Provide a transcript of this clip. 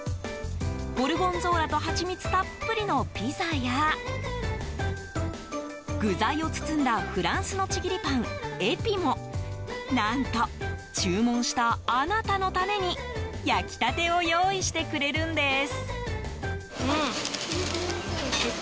ゴルゴンゾーラとハチミツたっぷりのピザや具材を包んだフランスのちぎりパン、エピも何と、注文したあなたのために焼きたてを用意してくれるんです。